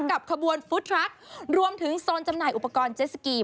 กับขบวนฟุตทรัครวมถึงโซนจำหน่ายอุปกรณ์เจสสกี